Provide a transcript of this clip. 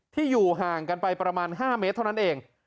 ที่อยู่ห่างกันไปประมาณ๕เมตรเท่านั้นเอง